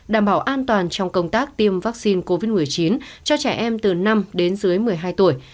đảm bảo an toàn trong công tác tiêm vaccine covid một mươi chín cho trẻ em từ năm đến dưới một mươi hai tuổi